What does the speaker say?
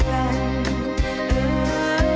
เสียงรัก